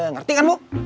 ngerti kan bu